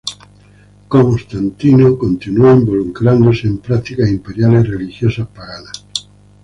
Constantino continuó involucrándose en prácticas imperiales religiosas paganas.